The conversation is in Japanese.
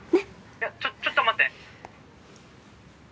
いやちょっと待って。